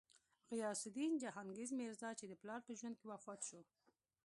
غیاث الدین جهانګیر میرزا، چې د پلار په ژوند کې وفات شو.